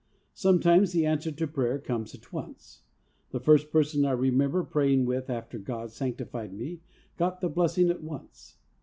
Sometimes the answer to prayer comes at once. The first person I remember praying with after God sanctified me got the blessing at once.